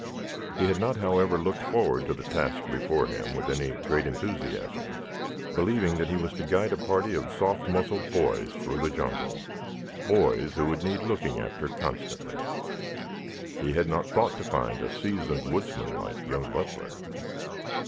He had not, however, looked forward to the task before him with any great enthusiasm, believing that he was to guide a party of soft muscled boys through the jungle, boys who would need looking after constantly. He had not thought to find a seasoned woodsman like young Butler.